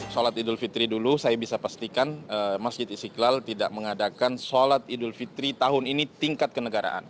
sholat idul fitri dulu saya bisa pastikan masjid istiqlal tidak mengadakan sholat idul fitri tahun ini tingkat kenegaraan